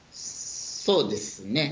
そうですね。